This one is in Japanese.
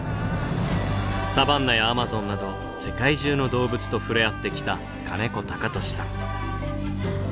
サバンナやアマゾンなど世界中の動物と触れ合ってきた金子貴俊さん。